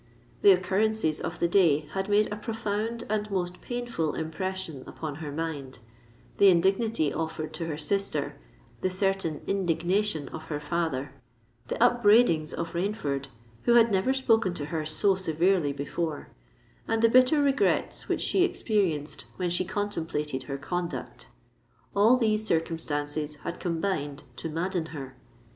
The occurrences of the day had made a profound and most painful impression upon her mind: the indignity offered to her sister—the certain indignation of her father—the upbraidings of Rainford, who had never spoken to her so severely before—and the bitter regrets which she experienced when she contemplated her conduct,—all these circumstances had combined to madden her.